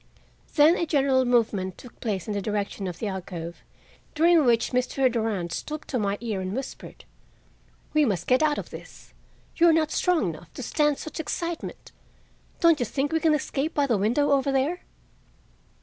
Then a general movement took place in the direction of the alcove, during which Mr. Durand stooped to my ear and whispered: "We must get out of this. You are not strong enough to stand such excitement. Don't you think we can escape by the window over there?"